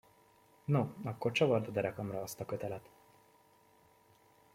No, akkor csavard a derekamra azt a kötelet!